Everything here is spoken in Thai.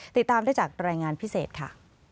ติดตามได้จากรายงานพิเศษค่ะ